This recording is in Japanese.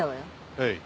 はい。